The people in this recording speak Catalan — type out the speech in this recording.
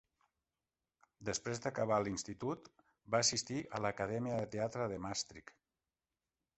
Després d'acabar a l'institut, va assistir a l'Acadèmia de Teatre de Maastricht.